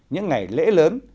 những ngày lễ lớn